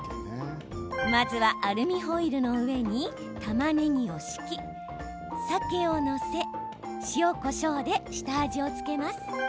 まずは、アルミホイルの上にたまねぎを敷き、さけを載せ塩、こしょうで下味を付けます。